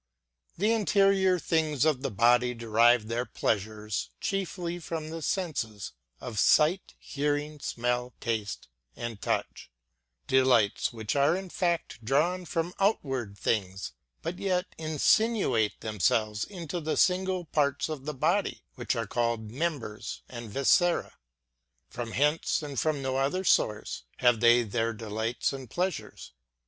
The interior things of the body derive their pleasures chiefly from the senses of sight, hearing, smell, taste, and touch, ŌĆö delights which are in fact drawn from outward tilings, but yet insinuate themselves into the single parts of the body, which are called members and viscera. From hence and from no other source have they their delights and pleasures.